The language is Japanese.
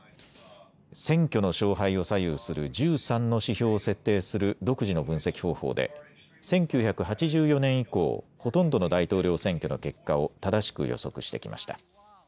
選挙の勝敗を左右する１３の指標を設定する独自の分析方法で１９８４年以降、ほとんどの大統領選挙の結果を正しく予測してきました。